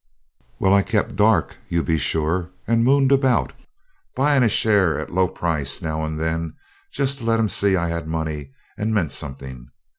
Well, I kept dark, you be sure, and mooned about, buying a share at a low price now and then just to let 'em see I had money and meant something.